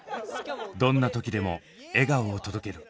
どんな時でも笑顔を届ける。